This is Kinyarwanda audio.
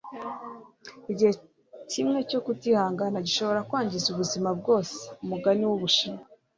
igihe kimwe cyo kutihangana gishobora kwangiza ubuzima bwose. - umugani w'ubushinwa